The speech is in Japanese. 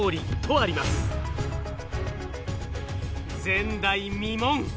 前代未聞。